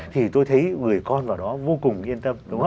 thì tôi thấy người con vào đó vô cùng yên tâm